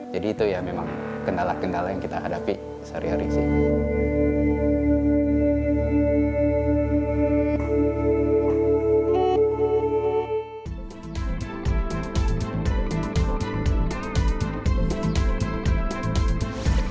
karena memang kendala kendala yang kita hadapi sehari hari sih